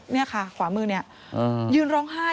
นี่ค่ะขวามือเนี่ยยืนร้องไห้